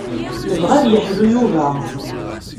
Nebɣa ad yeḥlu Yuba.